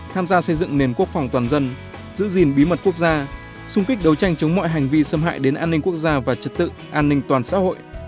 tham gia xây dựng nền quốc phòng toàn dân giữ gìn bí mật quốc gia xung kích đấu tranh chống mọi hành vi xâm hại đến an ninh quốc gia và trật tự an ninh toàn xã hội